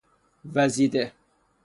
وزیده